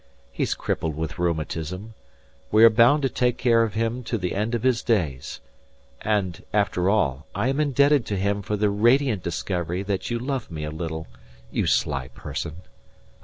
He's crippled with rheumatism. We are bound to take care of him to the end of his days. And, after all, I am indebted to him for the radiant discovery that you loved me a little you sly person.